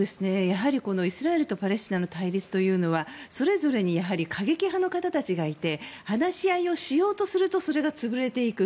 やはりイスラエルとパレスチナの対立というのはそれぞれに過激派の方たちがいて話し合いをしようとするとそれが潰れていく。